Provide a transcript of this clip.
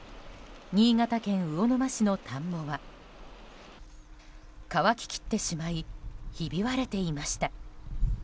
新潟県魚沼市の田んぼは乾ききってしまいひび割れていました。